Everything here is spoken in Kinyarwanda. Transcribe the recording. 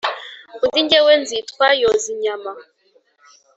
undi jyewe nzitwa yozinyama,